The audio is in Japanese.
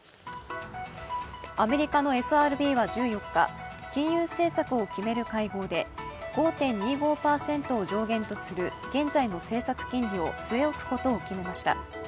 アメリカのＦＲＢは１４日、金融政策を決める会合で５．２５％を上限とする現在の政策金利を据え置くことを決めました。